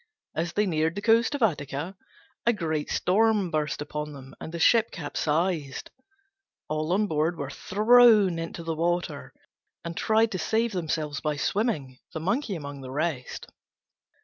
As they neared the coast of Attica a great storm burst upon them, and the ship capsized. All on board were thrown into the water, and tried to save themselves by swimming, the Monkey among the rest.